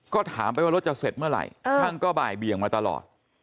ก็ถามไปว่ารถจะเสร็จเมื่อไหร่ช่างก็บ่ายเบียงมาตลอด